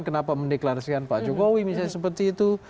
kenapa mendeklarasikan pak jokowi misalnya seperti itu